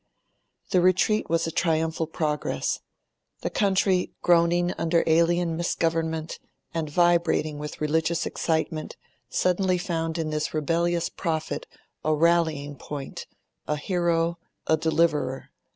The retreat was a triumphal progress. The country, groaning under alien misgovernment and vibrating with religious excitement, suddenly found in this rebellious prophet a rallying point, a hero, a deliverer.